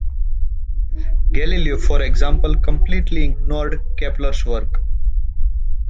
Galileo for example completely ignored Kepler's work.